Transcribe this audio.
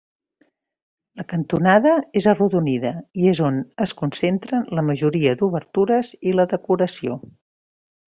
La cantonada és arrodonida i és on es concentren la majoria d'obertures i la decoració.